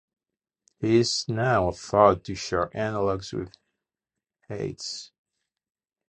He is now thought to share analogs with Hades.